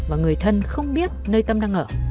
và người thân không biết nơi tâm đang ở